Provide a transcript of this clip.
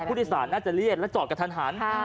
ผู้โดยสารน่าจะเรียกแล้วจอดกระทันหัน